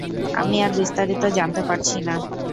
আমি আর বিস্তারিত জানতে পারছি না।